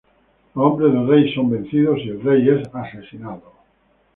Los hombres del rey son vencidos y el rey es asesinado.